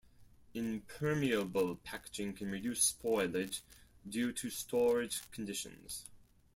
Impermeable packaging can reduce spoilage due to storage conditions.